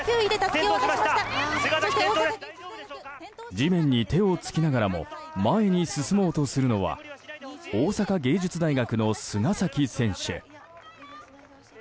地面に手をつきながらも前に進もうとするのは大阪芸術大学の菅崎選手。